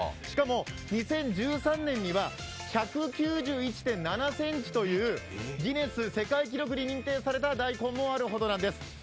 しかも、２０１３年には１９１．７ｃｍというギネス世界記録に認定された大根もあるほどなんです。